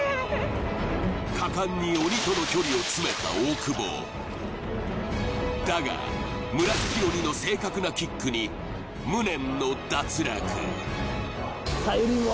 果敢に鬼との距離を詰めた大久保だが紫鬼の正確なキックに無念の脱落さゆりんご